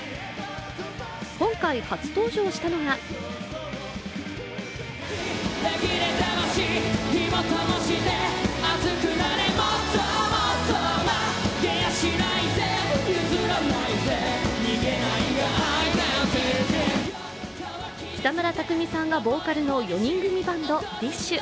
今回、初登場したのが北村匠海さんがボーカルの４人組みバンド、ＤＩＳＨ／／。